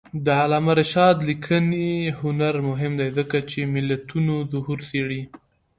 د علامه رشاد لیکنی هنر مهم دی ځکه چې ملتونو ظهور څېړي.